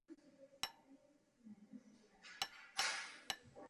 Pořádal alespoň pravidelné koncerty komorní hudby.